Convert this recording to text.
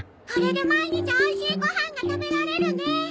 これで毎日おいしいご飯が食べられるね。